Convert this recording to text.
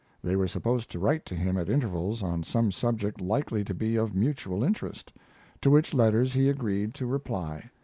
They were supposed to write to him at intervals on some subject likely to be of mutual interest, to which letters he agreed to reply.